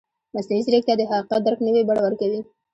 مصنوعي ځیرکتیا د حقیقت درک نوې بڼه ورکوي.